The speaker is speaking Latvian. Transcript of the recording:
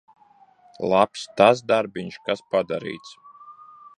Labs tas darbiņš, kas padarīts.